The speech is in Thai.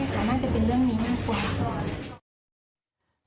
ใช่ค่ะน่าจะเป็นเรื่องนี้นี่ควร